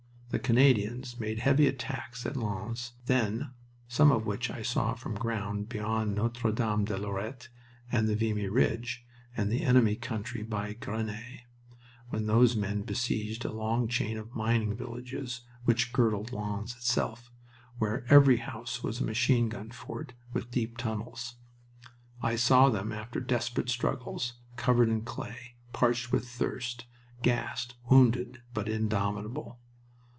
The Canadians made heavy attacks at Lens, some of which I saw from ground beyond Notre Dame de Lorette and the Vimy Ridge and the enemy country by Grenay, when those men besieged a long chain of mining villages which girdled Lens itself, where every house was a machine gun fort above deep tunnels. I saw them after desperate struggles, covered in clay, parched with thirst, gassed, wounded, but indomitable.